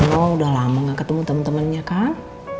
mama udah lama gak ketemu temen temennya kan